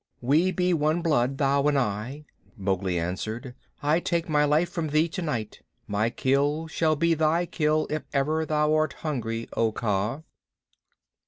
"We be one blood, thou and I," Mowgli answered. "I take my life from thee tonight. My kill shall be thy kill if ever thou art hungry, O Kaa."